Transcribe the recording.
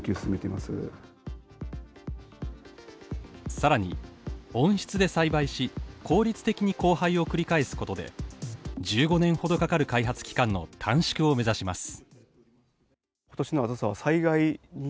更に温室で栽培し、効率的に交配を繰り返すことで１５年ほどかかる開発期間の短縮を目指します。